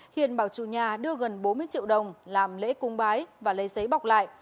hiền bảo chủ nhà đưa gần bốn mươi triệu đồng làm lễ cung bái và lấy giấy bọc lại